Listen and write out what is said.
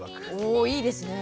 おいいですね。